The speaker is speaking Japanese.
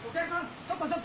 ちょっとちょっと。